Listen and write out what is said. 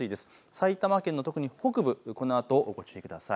埼玉県の特に北部、このあとも注意ください。